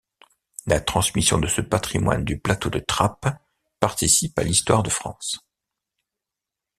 La transmission de ce patrimoine du plateau de Trappes participe à l’histoire de France.